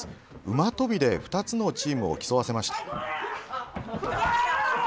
馬跳びで２つのチームを競わせました。